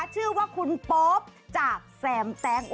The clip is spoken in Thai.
ชื่อว่าขุนป๊อฟจากแสมแทน